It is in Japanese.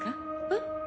えっ？